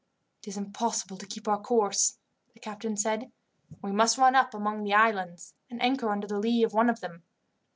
"It is impossible to keep our course," the captain said, "and we must run up among the islands, and anchor under the lee of one of them.